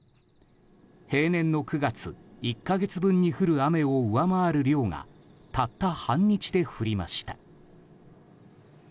平年の９月１か月分に降る雨を上回る量がたった半日で降りました。